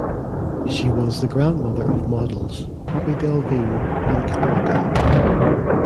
She was the grandmother of models Poppy Delevingne and Cara Delevingne.